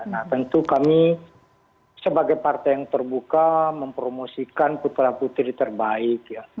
nah tentu kami sebagai partai yang terbuka mempromosikan putra putri terbaik ya